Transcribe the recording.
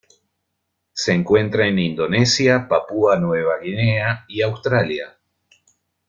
Se encuentra en Indonesia, Papúa Nueva Guinea y Australia.